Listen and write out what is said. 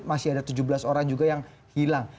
masih ada tujuh belas orang juga yang hilang